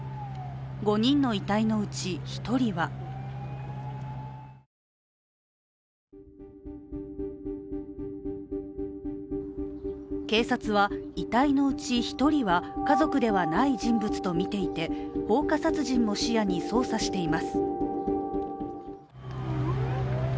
５人の遺体のうち、１人は警察は、遺体のうち１人は家族ではない人物とみていて放火殺人も視野に捜査しています。